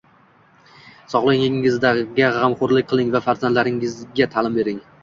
Sog'ligingizga g'amxo'rlik qiling va farzandlaringizga ta'lim bering